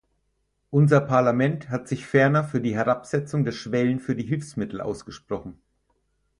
Unser Parlament hat sich ferner für die Herabsetzung der Schwellen für die Hilfsmittel ausgesprochen.